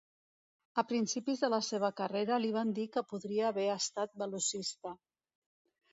A principis de la seva carrera li van dir que podria haver estat velocista.